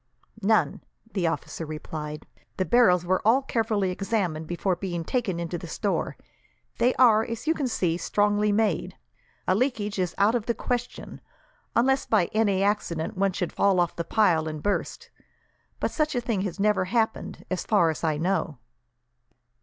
"None," the officer replied. "The barrels were all carefully examined before being taken into the store. They are, as you can see, strongly made. A leakage is out of the question, unless by any accident one should fall off the pile and burst; but such a thing has never happened, as far as I know."